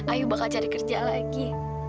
ayo bakal cari kerja lagi